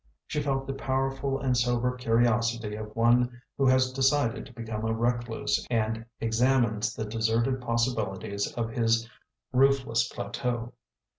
She felt the powerful and sober curiosity of one who has decided to become a recluse and examines the deserted possibilities of his roofless plateau.